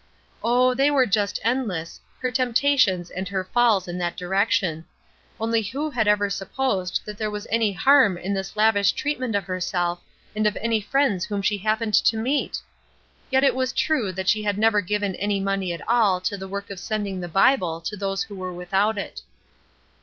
Oh, they were just endless, her temptations and her falls in that direction only who had ever supposed that there was any harm in this lavish treatment of herself and of any friends whom she happened to meet? Yet it was true that she had never given any money at all to the work of sending the Bible to those who are without it.